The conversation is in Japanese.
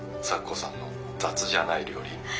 咲子さんの雑じゃない料理。